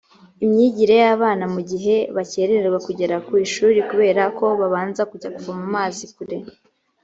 imyigire y abana mu gihe bakererwa kugera ku ishuri kubera ko babanza kujya kuvoma amazi kure